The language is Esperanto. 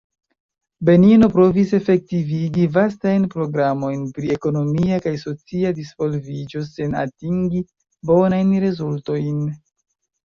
Benino provis efektivigi vastajn programojn pri ekonomia kaj socia disvolviĝo sen atingi bonajn rezultojn.